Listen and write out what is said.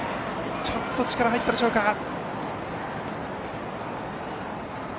ちょっと力が入ったでしょうか。